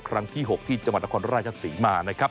ครั้งที่๖ที่จังหวัดนครราชศรีมานะครับ